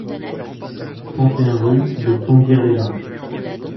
trente et un rue de Plombières-les-Bains